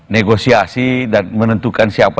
negosiasi dan menentukan siapa